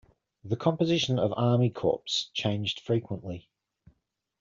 The composition of army corps changed frequently.